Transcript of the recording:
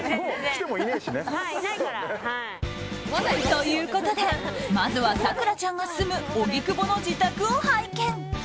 ということでまずは咲楽ちゃんが住む荻窪の自宅を拝見。